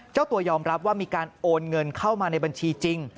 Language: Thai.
เจ้าตัวยอมรับว่ามีการโอนเงินเข้ามาในบัญชีจริง